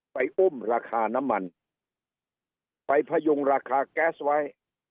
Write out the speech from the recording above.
อุ้มราคาน้ำมันไปพยุงราคาแก๊สไว้